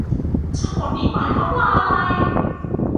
ทั้งหมดนี้หมายความว่าอะไร